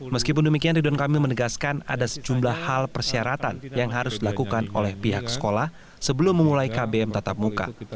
meskipun demikian ridwan kamil menegaskan ada sejumlah hal persyaratan yang harus dilakukan oleh pihak sekolah sebelum memulai kbm tatap muka